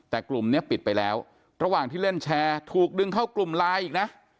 แต่กลุ่มนี้ปิดไปแล้วระหว่างที่เล่นแชร์ถูกดึงเข้ากลุ่มไลน์อีกนะ